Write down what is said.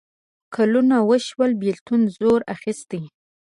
کلونه وشول بېلتون زور اخیستی.